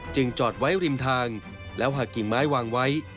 จอดไว้ริมทางแล้วหากกิ่งไม้วางไว้